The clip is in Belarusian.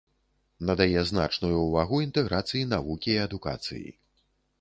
Надае значную ўвагу інтэграцыі навукі і адукацыі.